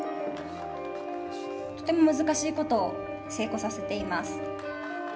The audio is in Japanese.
とても難しいことを成功させています。